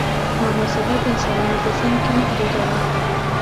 محاسبه د انسانانو په ذهن کې محدوده وه.